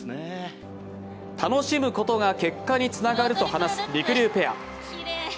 楽しむことが結果につながると話すりくりゅうペア。